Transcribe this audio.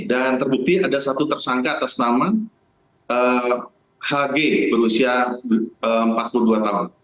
dan terbukti ada satu tersangka atas nama hg berusia empat puluh dua tahun